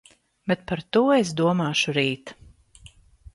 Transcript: Bet par to es domāšu rīt.